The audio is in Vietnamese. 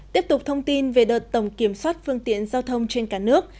tiếp tục thông tin về đợt tổng kiểm soát phương tiện giao thông trên cả nước